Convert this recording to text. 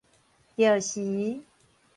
著時